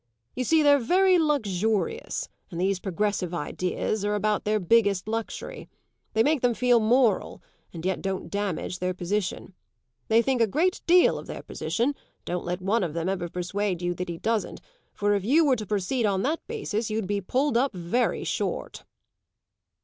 You see they're very luxurious, and these progressive ideas are about their biggest luxury. They make them feel moral and yet don't damage their position. They think a great deal of their position; don't let one of them ever persuade you he doesn't, for if you were to proceed on that basis you'd be pulled up very short."